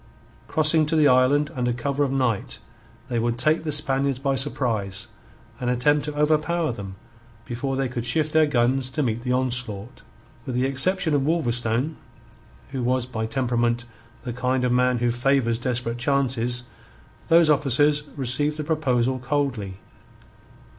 Crossing to the island under cover of night, they would take the Spaniards by surprise and attempt to overpower them before they could shift their guns to meet the onslaught. With the exception of Wolverstone, who was by temperament the kind of man who favours desperate chances, those officers received the proposal coldly.